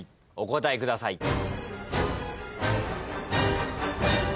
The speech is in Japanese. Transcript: お答えください。